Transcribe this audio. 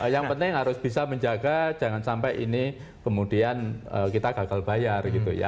yang penting harus bisa menjaga jangan sampai ini kemudian kita gagal bayar gitu ya